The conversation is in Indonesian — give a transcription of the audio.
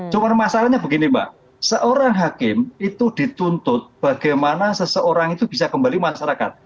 cuma masalahnya begini mbak seorang hakim itu dituntut bagaimana seseorang itu bisa kembali masyarakat